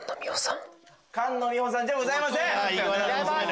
菅野美穂さんじゃございません。